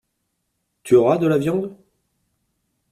Tu auras de la viande ?